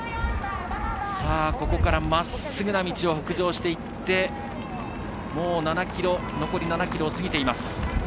ここからまっすぐの道を北上していって残り７ｋｍを過ぎています。